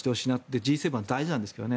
Ｇ７は大事なんですけどね。